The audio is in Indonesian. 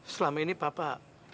selama ini papa